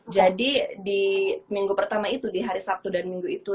jadi di minggu pertama itu di hari sabtu dan minggu itu